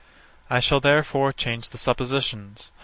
I shall therefore change the suppositions.